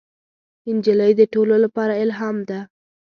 نجلۍ د ټولو لپاره الهام ده.